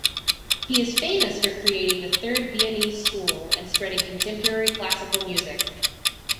He is famous for creating the "Third Viennese School" and spreading contemporary classical music.